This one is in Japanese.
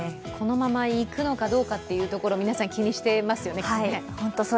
このままいくのかどうかというところ、皆さん気にしていますよね。